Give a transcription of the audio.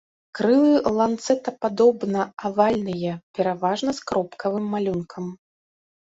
Крылы ланцэтападобна-авальныя, пераважна з кропкавым малюнкам.